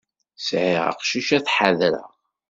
Sɛiɣ aqcic ad t-ḥadreɣ.